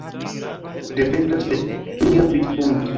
Dependas de onia vidpunkto.